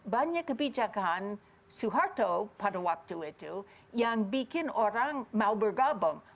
banyak kebijakan soeharto pada waktu itu yang bikin orang mau bergabung